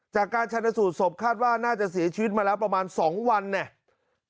จากการชนสูตรศพคาดว่าน่าจะเสียชีวิตมาแล้วประมาณ๒วันเนี่ย